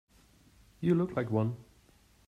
You look like one.